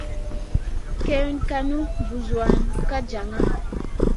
Kèwn kànu, buzuwan ka jaŋa.